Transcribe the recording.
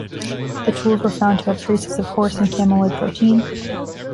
The tools were found to have traces of horse and cameloid protein.